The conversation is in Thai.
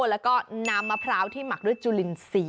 แล้วก็น้ำมะพร้าวที่หมักด้วยจุลินสี